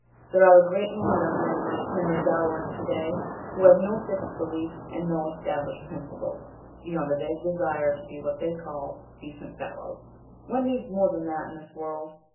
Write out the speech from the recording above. There are a great many young men like Henry Goward, to day, who have no fixed beliefs and no established principles beyond a vague desire to be what they call "decent fellows." One needs more than that in this world.